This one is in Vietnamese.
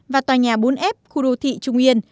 và tòa nhà bốn f khu đô thị trung yên